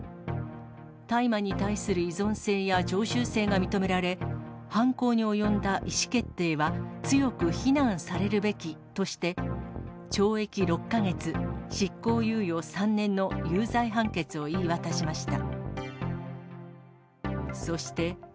大麻に対する依存性や常習性が認められ、犯行に及んだ意思決定は強く非難されるべきとして、懲役６か月執行猶予３年の有罪判決を言い渡しました。